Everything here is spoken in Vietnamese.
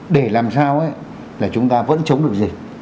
để làm sao chúng ta vẫn chống được dịch